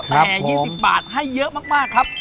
แต่๒๐บาทให้เยอะมากครับ